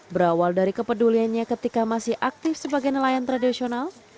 berawal dari kepeduliannya ketika masih aktif sebagai nelayan tradisional